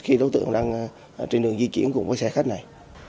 khi đối tượng đang trên đường di chuyển cùng với xe khách này